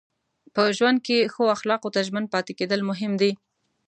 په ژوند کې ښو اخلاقو ته ژمن پاتې کېدل مهم دي.